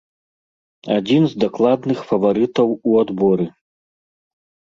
Адзін з дакладных фаварытаў у адборы.